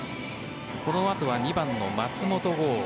このあとは２番の松本剛。